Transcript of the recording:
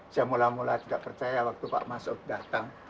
saya mula mula tidak percaya waktu pak masuk datang